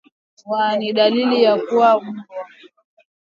Tabia ya mnyama kutembea kusiko kwa kawaida ni dalili ya kichaa cha mbwa